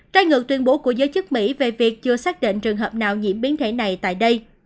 trái ngược tuyên bố của giới chức mỹ về việc chưa xác định trường hợp nào nhiễm biến thể này tại đây